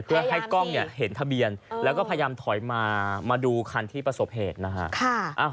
เพื่อให้กล้องเนี่ยเห็นทะเบียนแล้วก็พยายามถอยมามาดูคันที่ประสบเหตุนะฮะ